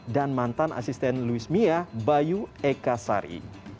dan mantan asisten luis mia bayu ekasari